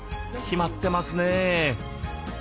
決まってますね。